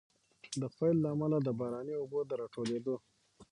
د پيل له امله، د باراني اوبو د راټولېدو